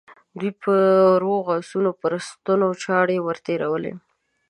دوی به د روغو آسونو پر ستونو چاړې ور تېرولې.